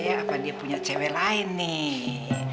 apa dia punya cewek lain nih